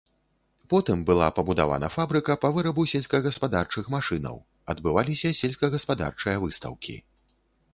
Потым была пабудавана фабрыка па вырабу сельскагаспадарчых машынаў, адбываліся сельскагаспадарчыя выстаўкі.